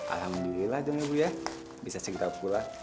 alhamdulillah dong ibu ya bisa sekitar pukulan